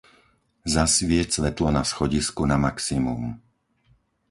Zasvieť svetlo na schodisku na maximum.